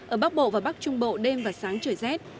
ở bắc bộ và bắc trung bộ đêm và sáng trời rét